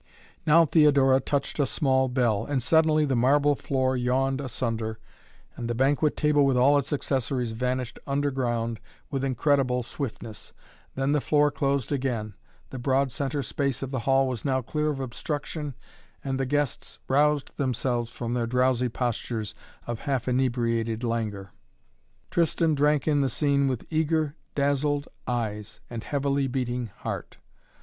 Now Theodora touched a small bell and suddenly the marble floor yawned asunder and the banquet table with all its accessories vanished underground with incredible swiftness. Then the floor closed again. The broad centre space of the hall was now clear of obstruction and the guests roused themselves from their drowsy postures of half inebriated languor. Tristan drank in the scene with eager, dazzled eyes and heavily beating heart.